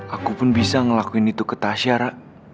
aku pun bisa ngelakuin itu ke tasya ra